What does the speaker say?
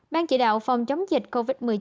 ban chỉ đạo phòng chống dịch covid một mươi chín